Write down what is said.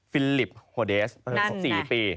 ฟิลิปโฮเดส๑๔ปี